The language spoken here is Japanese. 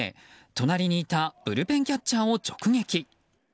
隣にいたブルペンキャッチャーを直撃。